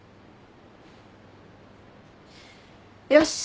よし！